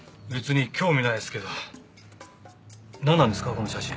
この写真。